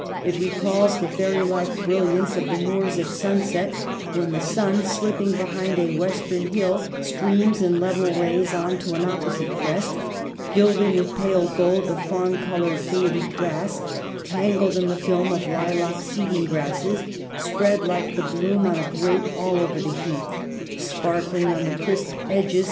It recalls the fairy like brilliance of the moors at sunset, when the sun, slipping behind a western hill, streams in level rays on to an opposite crest, gilding with pale gold the fawn colored faded grass ; tangled in the film of lilac seeding grasses, spread, like the bloom on a grape, over all the heath ; sparkling on the crisp edges WRITING POETRY.